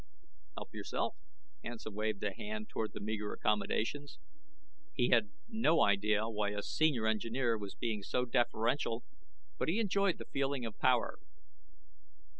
"Help yourself," Hansen waved a hand toward the meager accommodations. He had no idea why a Senior Engineer was being so deferential, but he enjoyed the feeling of power.